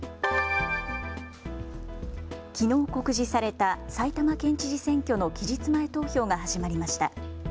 きのう告示された埼玉県知事選挙の期日前投票が始まりました。